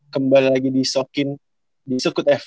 kembali lagi di sokin di sukut fm